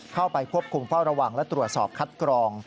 เข้าไปควบคุมเฝ้าระวังและตรวจสอบคัดกรอง